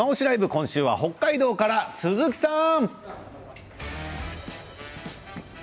今週は北海道から鈴木さん！